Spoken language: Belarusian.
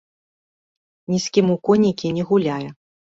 Ні з кім у конікі не гуляе.